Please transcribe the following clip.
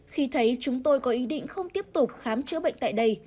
khi thấy chúng tôi có ý định không tiếp tục khám chữa bệnh tại đây